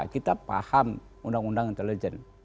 kita paham undang undang intelijen